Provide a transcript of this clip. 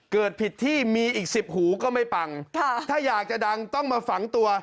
เกิดผิดที่มีอีกสิบหูก็ไม่ปังถ้าอยากจะดังต้องมาฝังตัว